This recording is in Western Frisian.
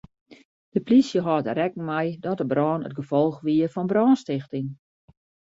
De plysje hâldt der rekken mei dat de brân it gefolch wie fan brânstichting.